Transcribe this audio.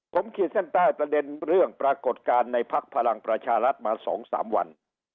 ผมขีดเส้นใต้ประเด็นเรื่องปรากฏการณ์ในพักพลังประชารัฐมา๒๓วัน